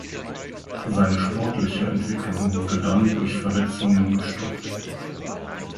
Seine sportliche Entwicklung wurde dann durch Verletzungen gestoppt.